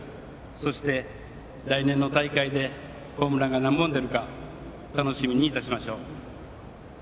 そして、来年の大会でホームランが何本出るか楽しみにいたしましょう。